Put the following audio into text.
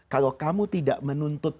kalau kamu tidak menuntut